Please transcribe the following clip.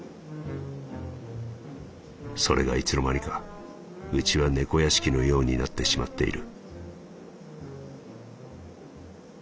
「それがいつの間にかうちは猫屋敷のようになってしまっている」。